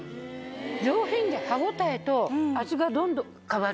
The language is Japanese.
上品で歯応えと味がどんどん変わる。